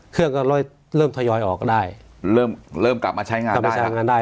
เครื่องก็เริ่มทยอยออกก็ได้เริ่มเริ่มกลับมาใช้งานได้